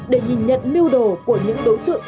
để nhìn nhận miêu đồ của những đối tượng